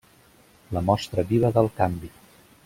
La Mostra Viva del canvi.